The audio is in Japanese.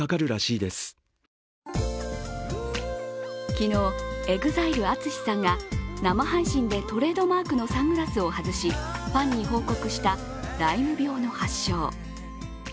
昨日、ＥＸＩＬＥ・ＡＴＳＵＳＨＩさんが生配信でトレードマークのサングラスを外しファンに報告したライム病の発症。